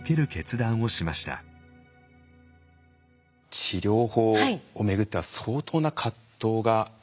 治療法を巡っては相当な葛藤があったんですね。